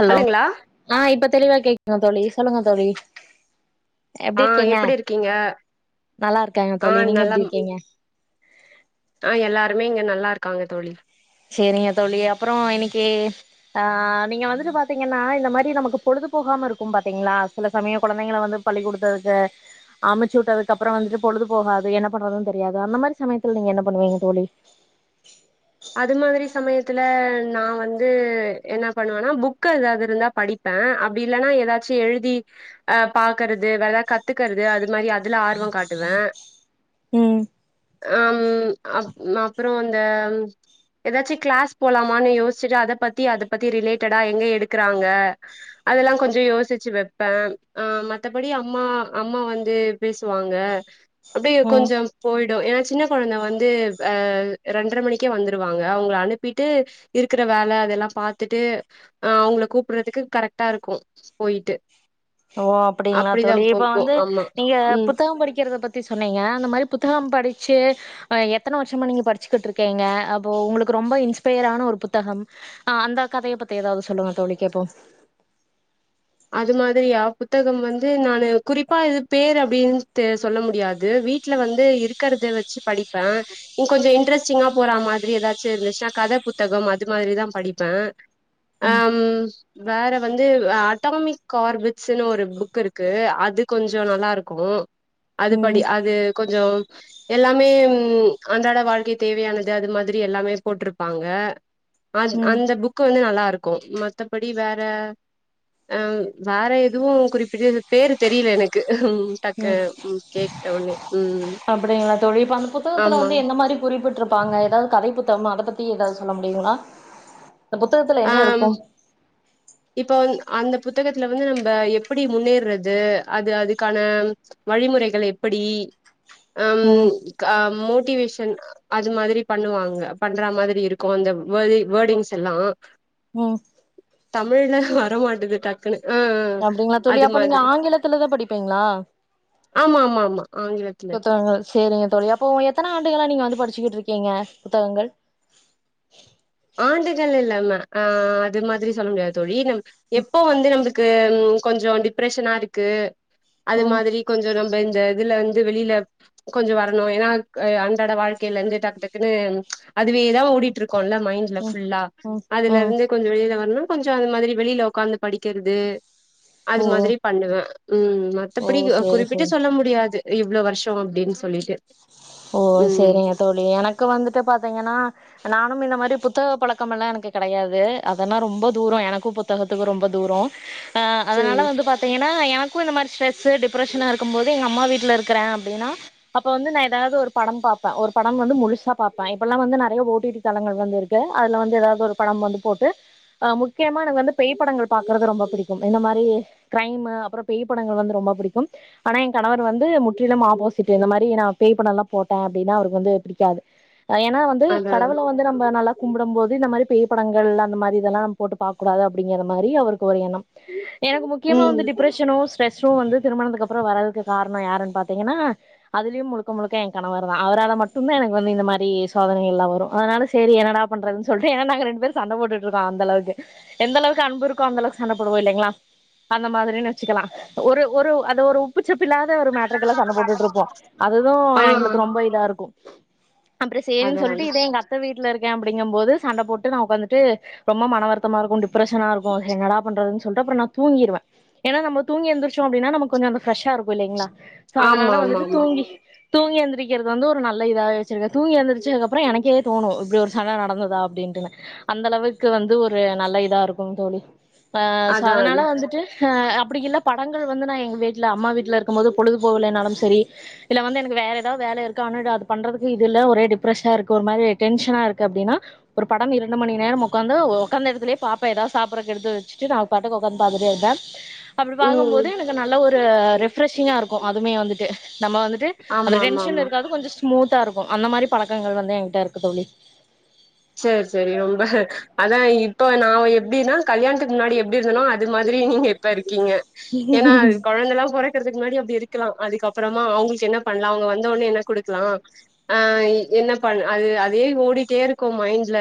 hello ஹலோங்களா ஆ இப்ப தெளிவா கேக்ங்க தோழி சொல்லுங்க தோழி ஆ எப்டி இருக்கீங்க இருக்கீங்க நல்லா இருக்காங்க ஆ தோழி நீங்க நல்லா எப்படி இருக்கீங்க ஆ எல்லாருமே இங்க நல்லா இருக்காங்க தோழி சேரிங்க தோழி அப்பறோ இன்னிக்கி ஆ நீங்க வந்துட்டு பாத்திங்கன்னா இந்த மாரி நமக்கு பொழுதுபோகாம இருக்கு பாத்திங்களா சில சமயோ சமயோ கொழந்தைங்கள வந்து பள்ளி குடுத்ததுக்கு அமுச்சூட்டதுக்கு அப்பறோ வந்துட்டு பொழுது போகாது என்ன பண்றதுன் தெரியாது அந்த மாரி சமயத்துல நீங்க என்ன பண்ணுவீங்க தோழி அது மாதிரி சமயத்துல நா வந்து என்ன பண்ணுவன்னா புக் எதாவது இருந்தா படி ப அப்டி இல்லன்னா எதாச்சி எழுதி அ பாக்கறது வேற கத்துக்கறது அது மாரி இதுல ஆர்வோ காட்டுவ ம் அம் அப் அப்பறோ அந்த எதாச்சி கிளாஸ் போலாமான்னு யோஸ்ச்சிட்டு அத பத்தி அத பத்தி ரிலேட்டடா எங்க எடுக்கறாங்க அதலா கொஞ்சோ யோசிச்சு வெப்ப ஆ மத்தபடி அம்மா அம்மா வந்து பேசுவாங்க அப்டியே ம் கொஞ்சம் போயிடு ஏன்னா சின்ன கொழந்த வந்து ரெண்ர மணிக் க்கே வந்துருவாங்க அவங்கள அனுப்பீட்டு இருக்கற வேல அதெல்லா பாத்துட்டு அ அவங்கள கூப்புறதுக்கு கரெக்டா இருக்கு போயிட்டு ஓ அப்படிங்களா அப்டிதா தோழி இப்ப போகு வந்து ஆமா நீங்க ம் புத்தகம் படிக்கறத பத் தி சொன்னீங்க அந்த மாரி புத்தகம் படிச்சு ஆ எத்தனை வருஷமா நீங்க படிச்சுக்கிட்ருக்கீங்க அப்போ உங்களுக்கு ரொம்ப இன்ஸ்பயர் ஆன ஒரு புத்தகம் ஆ அந்த கதையை பத்தி ஏதாவது சொல்லுங்க தோழி கேப்போ அது மாரியா புத்தகம் வந்து நானு குறிப்பா இது பேர் அப்படின்னு சொல்ல முடியாது வீட் வல வந்து இருக்கறத வச்சு படிப்பே இங்க கொஞ்ச இன்டரெஸ்டிங்கா போறா மாரி ஏதாச்சு இருந்துச்சுன்னா கதை புத்தகம் அது மாதிரிதா படிப்பே ம் ஆம் வேற வந்து ஆட் அட்டாமிக் ஆர்பிட்ஸ்ன்னு ஒரு புக் இருக்கு அது கொஞ்ச நல்லா இருக்கும் அது படி ம் அது கொஞ்ச எல்லாமே அன்றாட வாழ்க்கை தேவையானது அது மாதிரி எல்லாமே போட்ருப்பாங்க அ ம் அந்த புக் வந்து நல்லாருக்கு மத்தபடி வேற அம் வேற எதுவு குறிப்பிட்ட பேரு தெரியல எனக்கு ம் டக்கு ம் கேட்ட ஒன்னே ம் அப்படிங்களா தோழி அந்த புத்தகத்துல ஆமா வந்து எந்த மாதிரி குறிப்பிட்ருக் காங்க ஏதாவது கதை புத்தகம் அத பத்தி ஏதாவது சொல்ல முடியுங்களா அந்த புத்தகத்துல என்ன ஆம் இருக்கும் [inaudible] இப்ப வ அந்த புத்தகத்துல வந்து நம்ம எப்படி முன்னேறது அது அதுக்கான வழிமுறைகள் எப்படி அம் ம் கா மோட்டிவேஷன் அது மாதிரி பண்ணுவாங்க பண்றா மாதிரி இருக்கு அந்த வே வேர்டிங்ஸ் எல்லா ம் தமிழ்ல வரமாட்டதுட்டா குனு அ அ அப்டிங்களா தோழி அது அப்ப நீங்க மாதிரி ஆங்கிலத்துலதா படிப்பீங்களா ஆமா ஆமா ஆமா ஆங்கிலத்துல சரிங்க தோழி அப்போ உ எத்தனை ஆண்டுகலா நீங்க வந்து படிச்சுக்கிட்ருக்கீங்க புத்தகங்கள் ஆண்டுகள் இல்லா ஆ அது மாதிரி சொல்ல முடியாது தோழி எப்போ வந்து நம்மக்கு கொஞ்ச டிப்ரஷனா இருக்கு அது ம் மாதிரி கொஞ்ச நம்ம இந்த இதுல வந்து வெளியில கொஞ்ச வரணு ஏன்னா க அண்டாட வாழ்க்கையில இருந்து டக்கு டக்குன்னு அதுவேதா ஓடிட்டு இருக்கோல்ல ம் புல்லா ம் அதுல ம் இருந்து கொஞ்ச வெளியில வரனு கொஞ்ச அந்த மாரி வெளியில உக்காந்து படிக்கிறது அது ஓ மாதிரி பண்ணுவே ம் ஓ மத்தபடி சேரி குறிப்பிட்டு சேரி சொல்ல முடியாது இவ்ள வருஷ அப்படின் ஓ சரிங்க தோழி எனக்கு வந்துட்டு பாத்தீங்கன்னா நானு இந்த மாதிரி புத்தக பழக்கமெல்லா எனக்கு கெடையாது அதெல்லா ரொம்ப தூரோ எனக்கு புத் தகத்துக்கு ரொம்ப தூரோ அ அதனால ம் வந்து பா த்திங்கனா எனக்கு இந்த மாரி ஸ்ட்ரெஸூ டிப்ரஷனா இருக்கும்போது எங்கம்மா வீட்ல இருக்கிறே அப்டினா அப்போ வந்து நா ஏதாவது ஒரு படம் பாப்பே ஒரு பட வந்து முழுசா பாப்பே இப்பல்லா வந்து நறய ஓட்டி ஓட்டி படங்கள் வந்து இருக்கு அதுல வந்து ஏதாவது ஒரு படம் வந்து போட்டு அ முக்கியமா எனக்கு வந்து பேய் படங்கள் பாக்குறது ரொம்ப பிடிக்கும் இந்த மாரி க்ரைம்மு அப்பறொ பேய் படங்கள் வந்து ரொம்ப புடிக்கும் ஆனா என் கணவர் வந்து முற்றிலும் ஆப்போசிட் இந்த மா ரி நா பேய் படல்லா போட்டே அப்டினா அவருக்கு வந்து பிடிக்காது ஏனா வந்து அதா கடவுள வந்து நம்ம நல்லா கும்புடும் போது இந்த மாதிரி பேய் படங்கள் அந்த மாதிரி இதெல்லா போட்டு பாக்கக்கூடாது அப்டிங்கிற மாரி அவருக்கு ஒரு எண்ணம் [inaudible] எனக்கு முக்கியமா ம் வந்து டிப்ரஷனோ ஸ்ட்ரெஸ்ஷோ வந்து திருமணத்துக்குப்பற வரதுக்கு காரண யாருனு பாத்தீங்கனா அதுலயு முழுக்க முழுக்க என் கணவர்தா அவரால மட்டுதா எனக்கு வந்து இந்த மாரி சோதனைகள்லா வரு அதனால சரி என்னடா பண்றதுன் சொல்ட்டு ஏ நாங்க ரெண்டு பேரு சண்ட போட்டுட்ருக்கோ அந்தளவுக்கு எந்தளவுக்கு அன்பு இருக்கோ அந்தளக்கு சண்ட போடுவோ இல்லைங்களா அந்த மாதிரின் வெச்சுக்கலா ஒரு ஒரு அது ஒரு உப்புச்சப்பில்லாத ஒரு மேட்ருக்கெல்லா சண்ட போட்டுட்ருப்போ அது எது ஆ எங்குளுக்கு ரொம்ப இதாருக்கு அப்றோ சேரின் அதா சொல்லிட்டு இதா எங்க அத்த வீட்ல இருக்கே அப்டிங்கும்போது சண்ட போட்டு நா உக்காந்துட்டு ரொம்ப மனவருத்தமாருக்கு டிப்ரஷனா இருக்கு என்னடா பண்றதுன் சொல்ட்டு அப்றோ நா தூங்கிடுவே ஏனா நம்ம தூங்கி எந்திரிச்சோ அப்டினா நமக்கு கொஞ்சோ அந்த ஃப்ரெஷாருக்கு இல்லைங்களா சோ ஆமா அதனால ஆமா வந்துட்டு ஆமா தூங்கி தூங்கி எந்திரிக்கிறது வந்து ஒரு நல்ல இதாவே வச்சிருக்கே தூங்கி எந்திரிச்சதுக்கு அப்றோ வந்து எனக்கே தோணு இப்டி ஒரு சண்ட நடந்துதா அப்டின்ட்டுனு அந்தளவுக்கு வந்து ஒரு நல்ல இதாருக்கு தோழி அ சோ அதா அதனால அதா வந்துட்டு அ அப்டி இல்ல படங்கள் வந்து நா எங்க வீட்ல அம்மா வீ்ட்ல இருக்கும்போது பொழுது போவுலனாலு சரி இல்ல வந்து எனக்கு வேற எதாது வேல இருக்கு ஆனா அது பண்றதுக்கு இது இல்ல ஒரே டிப்ரெஷனா இருக்கு ஒரு மாரி டென்ஷனாருக்கு அப்டினா ஒரு படம் இரண்டு மணிநேரம் உக்காந்து உக்காந்த எடத்துலே பாப்பே எதாது சாப்புட்றதுக்கு எடுத்து வச்சட்டு நா பாட்டுக்கு உக்காந்து பாத்துட்டே இருப்பே அப்டி ம் பாக்கும்போது எனக்கு நல்ல ஒரு ரிப்ரெஷிங்கா இருக்கு அதுமே வந்துட்டு நம்ம வந்து ட்டு அந்த ஆமா ஆமா டென்ஷன் ஆமா இருக்காது கொஞ்சோ ஸ்மூத்தாருக்கு அந்த மாரி பழக்கங்கள் வந்து எங்கிட்ட இருக்கு தோழி சேரி சேரி ரொம்ப அதா இப்ப நா எப்டினா கல்யாணத்துக்கு முன்னாடி எப்டி இருந்தனோ அது மாதிரி நீங்க இப் இப்ப இருக்கீங்க ஏனா அது கொழந்தலா பொறக் க்கறதுக்கு முன்னாடி அப்டி இருக்கலா அதுக்கு அப்றமா அவங்களுக்கு என்ன பண்லா அவங்க வந்தவொன்னே என்ன குடுக்லா ஆ என்ன பண் அது அதே ஓடிட்டே இருக் க்கு மைன்ட்ல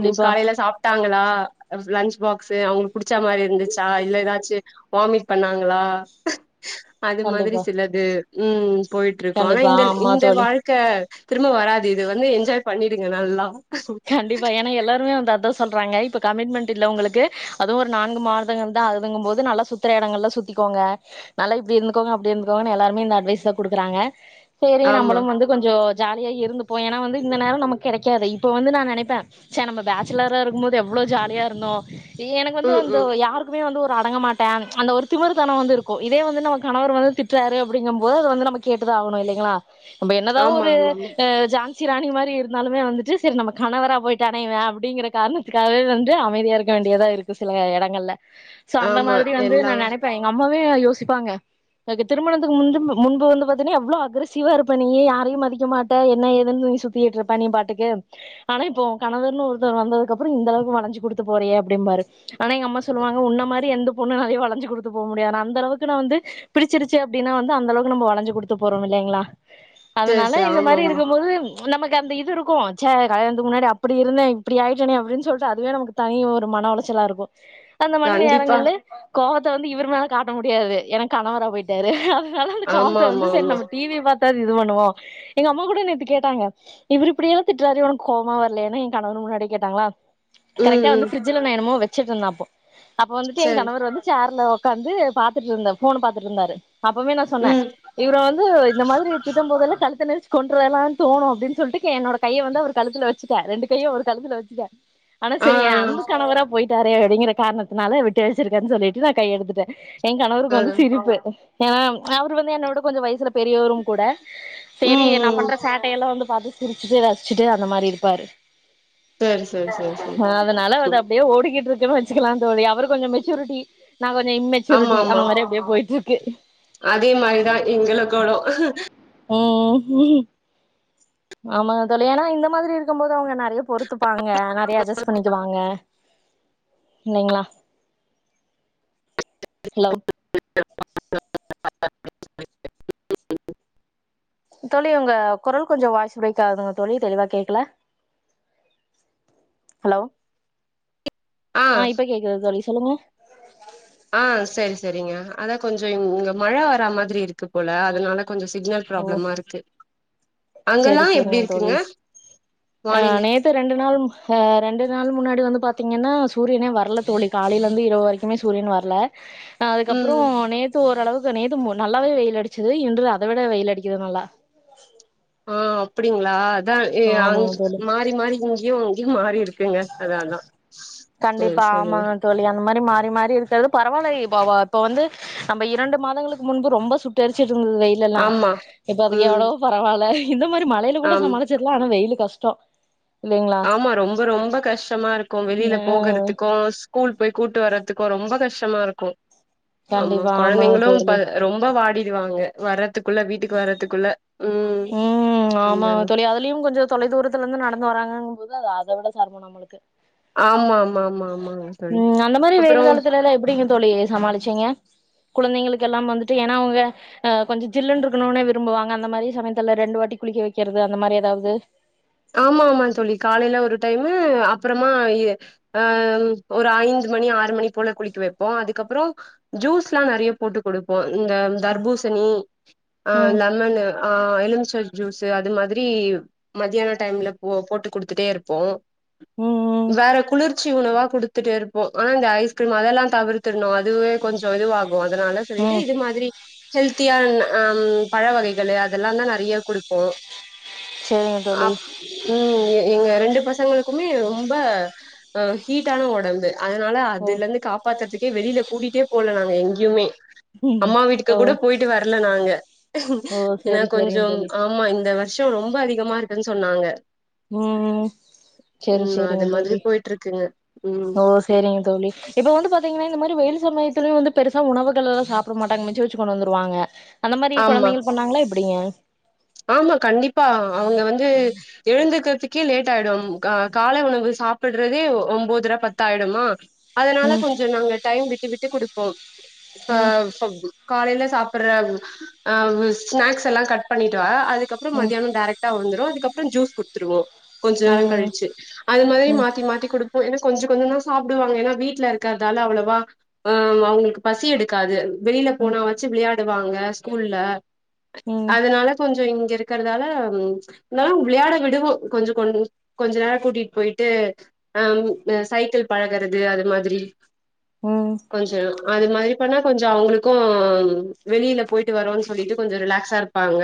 ம் காலைல சாப் ட்டாங்களா லன்ச் பாக்ஸூ அவுங்குளுக்கு புடிச்ச மாரி இருந்துச்சா இல்ல எதாச்சு வாமிட் பண்ணாங்களா அது மாதிரி கண்டிப்பா சிலது ம் போயிட்ருக்கு அதா கண்டிப்பா இந்த ஆமா இந்த தோழி வாழ்க்க திரும்ப வராது இது வந்து என்ஜாய் பண்ணிருங்க நல்லா கண்டிப்பா ஏ எல்லாருமே வந்து அதா சொல்றாங்க இப்ப கமிட்மெண்ட் இல்ல உங்குளுக்கு அதுவு ஒரு நான்கு மாதங்கள்தா ஆகுதுங்கும்போது நல்லா சுத் த்துற எடங்கள்லா சுத்திக்கோங்க நல்லா இப்டி இருந்துக்கோங்க அப்டி இருந்துக்கோங்கனு எல்லாருமே இந்த அட்வைஸ்தா குடுக்குறாங்க சேரி ஆமா நம்பளும் வந்து கொஞ்சோ ஜாலியா இருந்துப்போ ஏனா வந்து இந்த நேரோ நமக்கு கெடைக்காதே இப்ப வந்து நா நெனைப்பே ச்ச நம்ம பேச்சலரா இருக்கும் போது எவ்ளோ ஜாலியாருந்தோ இ எனக்கு வந்து ம் அந்த ம் யாரு குமே வந்து ஒரு அடங்க மாட்டே அந்த ஒரு திமிருத்தனம் வந்து இருக்கு இதே வந்து நம்ப கணவர் வந்து திட்றாரு அப்டிங்கும்போது அது வந்து நமக் கேட்டுதா ஆவுணு இல்லைங்களா நம்ப என்னதா ஆமா ஒரு ஆமா ஜான்சி ராணி மாரி இருந்தாலுமே வந்துட்டு செரி நம்ம கணவரா போயிட்டானே இவே அப்டிங்கிற காரணத்துக்காக வந்து அமைதியா இருக்க வேண்டியதா இருக்கு சில எடங்கள்ல சோ அந்த ஆமா மாதிரி வந்து எல்லா நா நெனைப்பே எங்க அம்மாவே யோசிப்பாங்க [unintelligible] திருமணத்துக்கு முந்து முன்பு வந்து பாத்தீனா எவ்ளோ அக்ரஸிவ்வா இருப்ப நீயு யாரயு மதிக்கமாட்ட என்ன ஏதுன் நீ சு த்திட்ருப்ப நீ பாட்டுக்கு ஆனா இப்போ ஓ கணவர்னு ஒருத்தர் வந்ததுக்கு அப்றோ இந்தளவுக்கு வளைஞ்சு குடுத்து போறியே அப்டிம்பாரு ஆனா எங்க அம்மா சொல்லுவாங்க உன்ன மாரி எந்த பொண்ணாலயு வளைஞ்சு குடுத்து போ முடியாதுன் அந்தளவுக்கு நா வந்து பிடிச்சிருச்சு அப்டினா வந்து அந்தளவுக்கு நம்ம வளைஞ்சு குடுத்து போறோ இல்லைங்களா சேரி அதனால சேரி இத ஆமா மாரி ஆமா இருக்கு போது நமக்கு அந்த இதுருக்கு ச்ச கல்யாணதுக்கு முன்னாடி அப்டி இருந்தே இப்டி ஆயிட்டனே அப்டின் சொல்லிட்டு அதுவே நமக்கு தனி ஒரு மன உளச்சலா இருக்கு [inaudible] அந்த மாரி கண்டிப்பா நேரங்கள்ல கோவத்த வந்து இவருமேல காட்ட முடியாது ஏனா கணவரா போய்ட்டாரு னால அந்த ஆமா கோவத்த வந்து ஆமா செரி ஆமா நம்ம டீ வீய பாத் தாது இது பண்ணுவோ எங்க அம்மா கூட நேத்து கேட்டாங்க இவரு இப்டியெல்லா திட்றாரே உனக்கு கோவமா வர்லயானு ஏ கணவர் முன்னாடி கேட்டாங்களா ம் கரெக்டா வந்து ம் ஃப்ரிட்ஜ் ஃப்ரிட்ஜில நா என்னமோ வச்சுட்டு இருந்த அப்போ அப்ப வந்துட்டு ஏன் சேரி கணவர் வந்து சேர்ல உக்காந்து பாத்துட்டு இருந்த ஃபோன் அ பாத்துட்டு இருந்தாரு அப்பமே நா சொன்ன ம் இவ்ரு வந்து இந்த மாதிரி திட்ட போதெல்லா கழுத்த நெறிச் கொன்றுளான் தோணு அப்டின்னு சொல்ட்டு என்னோட கைய வந்து அவ்ரு கழுத்துல வச்சுட்ட ரெண்டு கையு அவ்ரு கழுத்துல வச்சுட்டே ஆனா ஆ செரி எ அன்பு கணவரா போய்ட்டாரே அப்டிங்கிற காரணத் தினால விட்டு வச்சிருக்கேன்னு சொல்லிட்டு நா கைய எடுத்துட்டே எ ஆ கணவருக்கு வந்து அதா சிரிப்பு ஏ அவ்ரு வந்து என்ன விட கொஞ்சோ வயசுல பெரியவரு கூட செரி ம் நா ம் பண்ற சேட் டையெல்லா வந்து பாத்திட்டு சிரிச்சுட்டு ரசிச்சுட்டு அந்த மாரி இருப்பாரு சேரி சேரி சேரி அதனால அது சேரி அப்டியே ஓடிக்கிட்டு இருக்குனு வச் வச்சுக்கிலா தோழி அவ்ரு கொஞ்சோ மெச்சூரிட்டி நா கொஞ்சோ ஆமா இம்மெச்சூரிட்டி ஆமா அந்த மாரி அப்டியே போய்ட்டு இருக்கு அதே மாரிதா எங்களுக் கொடோ ம் ஆமாங்க தோழி ஆன இந்த மாதிரி இருக்கு போது அவுங்க நெறையா பொறுத்துப்பாங்க நெறையா அட்ஜஸ்ட் பண்ணிக்குவாங்க இல்லைங்களா ஹலோ [inaudible] தோழி உங்க கொரல் கொஞ்சோ வாய்சு பிரேக் ஆகுதுங்க தோழி தெளிவா கேக்கல ஹலோ ஆ இப்ப கேக்குது தோழி சொல்லுங்க ஆ செரி செரிங்க அதா கொஞ்சோ இங்க மழ வரா மாரி இருக்கு போல அதனால கொஞ்சோ சிக்னல் ஓ ப்ராப்ளம்மா இருக்கு சேரி அங்கெல்லா எப்டி சேரிங்க இருக்குங்க வானில த்த ரெண்டு நாள் ஆ ரெண்டு நாள் முன்னாடி வந்து பாத்தீங்கன்னா சூரியனே வர்ல தோழி காலையில இருந்து இரவு வரைக் குமே சூரிய வர்ல ஆ அதுக்கப்பறோ ம் நேத்து ஓரளவுக்கு நேத்து நல்லாவே வெய்யில் அடிச்சுது இன்று அத விட வெய்யில் அடிக்கிது நல்லா ஆ அப்டிங்களா அதா அங் ஆமாங்க தோழி மாறி மாறி இங்கேயு அங்கயு மாறி இருக்குங்க அதா அதா செரி கண்டிப்பா செரிங்க ஆமாங்க தோழி அந்த மாரி மாறி மாறி இருக்கிறது பரவால்ல இப்போ வ இப்போ வந்து நம்ம இரண்டு மாதங்களுக்கு முன்பு ரொம்ப சுட்டரிச்சுட்டு இருந்தது வெய்யில் எல்லா ஆமா இப்ப அதுக்கு ம் எவ்ளவோ பரவால்ல இந்த மாரி மழையில கூட ஆம் சமாளிச்சிட்லா ஆனா வெய்யிலு கஷ்டோ இல்லைங்களா ஆமா ரொம்ப ரொம்ப கஷ்டமா இருக்கு வெளியில ஆ போகறதுக்கு ஸ் கூல் போய் கூட்டு வர்ரதுக்கு ரொம்ப கஷ்டமா இருக்கு ஆமா கண்டிப்பா ஆமாங்க கொழந்தைங்களு தோழி ரொம்ப வாடிடுவாங்க வர்றதுக்குள்ள வீட்டுக்கு வர்றதுக்குள்ள ம் ம் ஆமாங்க அந்தாங்க தோழி அதுலயு கொஞ்சோ தொலைதூரத்துல இருந்து நடந்து வராங்கன்ற போது அது அத விட செரமோ நம்மளுக்கு ஆமா ஆமா ஆமா ஆமாங்க தோழி ம் அந்த மாரி அப்புறோ வெய்யில் காலத்துல எல்லா எப்டிங்க தோழி சமாளிச்சீங்க குழந்தைங்களுக்கு எல்லா வந்துட்டு ஏன்னா அவுங்க ஆ கொஞ்சோ ஜில்லுன்னு இருக்கணும்னே விரும்புவாங்க அந்த மாரி சமயத் துல ரெண்டு வாட்டி குளிக்க வைக்கிறது அந்த மாரி ஏதாவ்து ஆமா ஆமா தோழி காலையில ஒரு டைமு அப்பறமா ஆ ஒரு அஞ்சு மணி ஆறு மணிக் போல குளிக்க வைப்போ அதுக்கப்பறோ ஜூஸ்லா நெறைய போட்டு குடுப்போ இந்த தர்பூசணி அ ம் லெமனு அ எலுமிச்ச ஜூஸு அது மாதி ரி மதியான டைம்ல போ போட்டு குடுத்துட்டே இருப்போ ம் வேற குளிர்ச் சி உணவா குடுத்துட்டே இருப்போ ஆனா இந்த ஐஸ்கிரீம் அதெல்லா தவிர்த்துன்னோ அதுவே கொஞ்சோ இதுவாகு அதனால ம் சொல்லிட்டு ம் இது மாதிரி ஹெல்த்தியான ஆ பழ வகைகளு அதெல்லா தா நெறைய குடுப்போ செரிங்க தோழி அப் ம் எ எங்க ரெண்டு பசங்களுக்குமே ரொம்ப அ ஹீட்டான ஒடம்பு அதனால ஓ அதுலந்து காப்பாத்துற்துக்கே வெளில்ல கூட்டிட்டே போல நாங்க எங்கியுமே ம் அம்மா வீட்டுக்கு ஓ கூட போய்ட்டு வரல நாங்க ஓ ஏன்னா சேரி சேரிங்க கொஞ்சோம் தோழி ஆமா இந்த வர்ஷ் ஷோ ரொம்ப அதிகமா இருக்குன் சொன்னாங்க ம் செரி ம் செரிங்க அது மாதிரி தோழி போயிட்டு இருக்குங்க ம் ஓ செரிங்க தோழி இப்ப வந்து பாத்தீங்ன்னா இந்த மாரி வெயில் சம்மையத்துலயு வந்து பெருசா உணவுகள்ல் சாப்ட மாட்டாங்க மிச்சு வெச் ச்சு கொண்டு வந்துருவாங்க அந்த மாரி ஆமா கொழந்தைகள் பண்ணாங்ளா எப்படிங்க ஆமா கண்டிப்பா அவங்க வந்து எழுந்துக்கிற்துக்கே லேட் ஆய்டும் கா காலை உணவு சாப்புட்றதே ஒம்போதர பத்தாய்டுமா அதனால ம் கொஞ்சோ நாங்க டைம் விட்டு விட்டு குடுப்போம் ஆ ம் ச காலைல சாப்புற அ ஸ்நாக்ஸ் எல்லா கட் பண்ணிட்டா அதுக்கப்புறம் மதியான் டேரக்ட் டா வந்துரு அதுக்கப்றோ ஜூஸ் குடுத்துருவோ கொஞ்சோ நேரோ ம் கழிச்சு அது மாரி ம் ம் மாத்தி மாத்தி குடு ஏன்னா கொஞ்சோ கொஞ்சதா சாப்டுவாங்க ஏன்னா வீட்ல இருக்கதால அவ்ளவா ஆ ஆமா அவங்களுக்கு பசி எடுக்காது வெளில போனா வாச்சு விளயாடுவாங்க ஸ்கூல்ல ம் அதனால ஞ்சோ இங்க இருக்கறதால இந்தாலு விளையாட விடுவோ கொஞ்சோ கொன் கொஞ்ச நேர் கூட்டிட் போய்ட்டு அம் அ சைக்கிள் பழகுறது அது மாதிரி ம் ம் கொஞ்சோ அது மாரி பண்ணா கொஞ்சோ அவங்ளுக்கு வெளியில்ல போய்ட்டு வரோன் சொல்லிட்டு கொஞ்சோ ரிலாக்ஸா இருப்பாங்க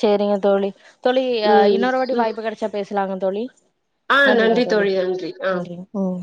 செரிங்க தோழி தோழி அ ம் இன்னொரு வாட்டி ம் வாய்ப்பு கெடச்சா பேஸ்லாங்க தோழி ஆ நன்றிங்க நன்றி தோழி நன்றி ஆ நன்றிங் ம்